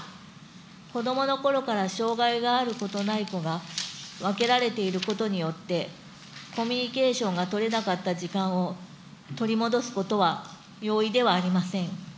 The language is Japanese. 子どものころから障害がある子とない子が分けられていることによって、コミュニケーションが取れなかった時間を取り戻すことは容易ではありません。